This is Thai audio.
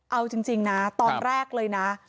เอาจริงนะตอนแรกเลยนะ